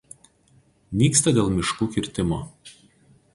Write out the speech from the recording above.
Nyksta dėl miškų kirtimo.